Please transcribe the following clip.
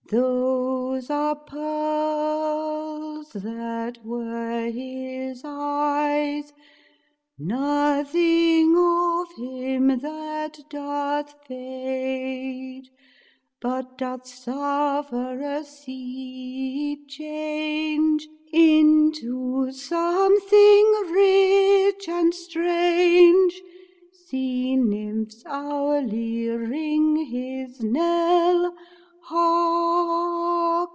Those are pearls that were his eyes ; Nothing of him that doth fade, But doth suffer a sea change Into something rich and strange. Sea nymphs hourly ring his knell.